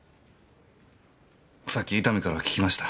さっき伊丹から聞きました。